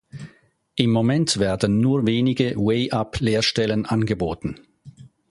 Im Moment werden nur wenige way-up Lehrstellen angeboten.